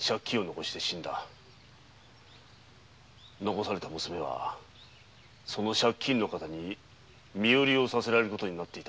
残された娘が借金のカタに身売りをさせられる事になっていたんだ。